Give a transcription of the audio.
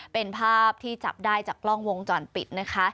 เป็นภาพที่จับได้จากกล้องวงจรปิดนะคะ